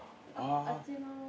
あっちの。